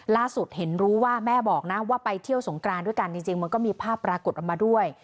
เห็นรู้ว่าแม่บอกนะว่าไปเที่ยวสงกรานด้วยกันจริงมันก็มีภาพปรากฏออกมาด้วย